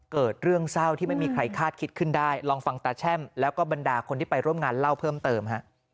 เกิดเรื่องเศร้าที่ไม่มีใครคาดคิดขึ้นได้ลองฟังตาแช่มแล้วก็บรรดาคนที่ไปร่วมงานเล่าเพิ่มเติม